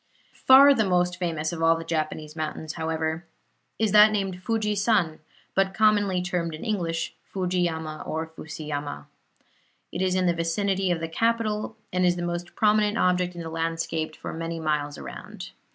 Far the most famous of all the Japanese mountains, however, is that named Fuji san, but commonly termed in English Fujiyama or Fusiyama. It is in the vicinity of the capital, and is the most prominent object in the landscape for many miles around.